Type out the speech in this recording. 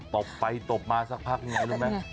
ตบไปตบมาสักพักยังไงรู้ไหม